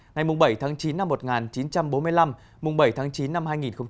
ngày bảy tháng chín năm một nghìn chín trăm bốn mươi năm bảy tháng chín năm hai nghìn hai mươi